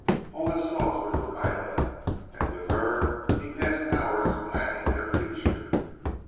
All his thoughts were for Ida, and with her he passed hours planning their future.